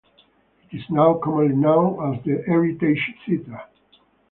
It is now commonly known as the Heritage Theater.